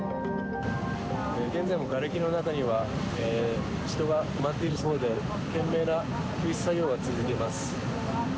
現在もがれきの中には人が埋まっているそうで、懸命な救出作業が続いています。